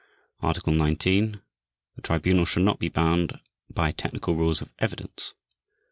Article 19. The Tribunal shall not be bound by technical rules of evidence.